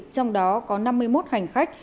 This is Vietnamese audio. trong đó có năm mươi một hành khách